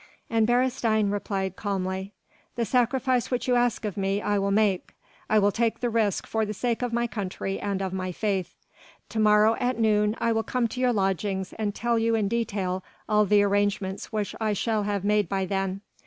And Beresteyn replied calmly: "The sacrifice which you ask of me I will make: I will take the risk for the sake of my country and of my faith. To morrow at noon I will come to your lodgings and tell you in detail all the arrangements which I shall have made by then.